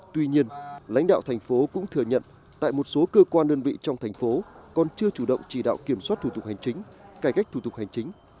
tuy nhiên lãnh đạo thành phố cũng thừa nhận tại một số cơ quan đơn vị trong thành phố còn chưa chủ động chỉ đạo kiểm soát thủ tục hành chính cải cách thủ tục hành chính